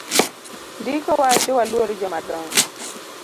Ndiko wacho waluor jomadongo.